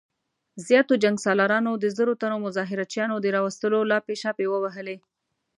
زياتو جنګ سالارانو د زرو تنو مظاهره چيانو د راوستلو لاپې شاپې ووهلې.